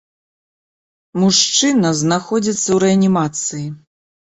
Мужчына знаходзіцца ў рэанімацыі.